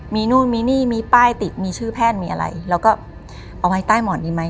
มีนู่นมีนี่มีป้ายติดมีชื่อแพทย์มีอะไรแล้วก็เอาไว้ใต้หมอนดีไหม